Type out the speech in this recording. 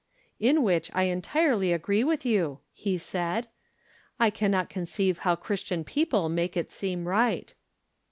" In which I entirely agree with you," he said. " I can not conceive how Christian people make it seem right."